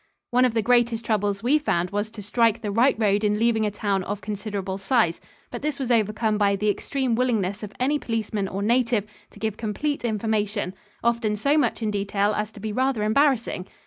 One of the greatest troubles we found was to strike the right road in leaving a town of considerable size, but this was overcome by the extreme willingness of any policeman or native to give complete information often so much in detail as to be rather embarrassing.